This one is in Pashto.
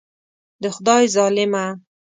د خدای ظالمه.